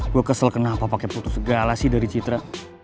gue kesel kenapa pakai putus segala sih dari citra